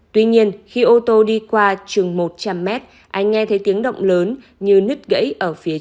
tuy nhiên khi ô tô đi qua chừng một trăm linh mét anh nghe thấy tiếng động lớn như nứt gãy ở phía trước